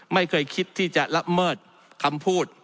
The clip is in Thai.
ไม่เคยคิดที่จะละเมิดคำพูด